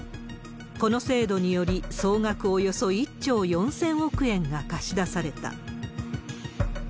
この制度により、総額およそ１兆４０００億円が貸し出された。